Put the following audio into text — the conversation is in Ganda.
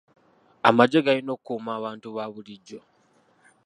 Amagye galina okukuuma abantu ba bulijjo.